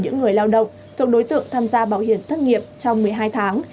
những người lao động thuộc đối tượng tham gia bảo hiểm thất nghiệp trong một mươi hai tháng